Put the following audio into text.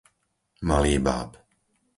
Malý Báb